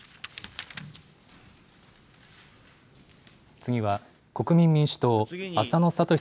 次は、国民民主党、浅野君。